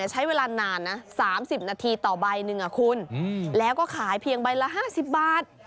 ใช้เวลานานนะ๓๐นาทีต่อใบหนึ่งคุณแล้วก็ขายเพียงใบละ๕๐บาท